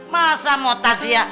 masa motas ya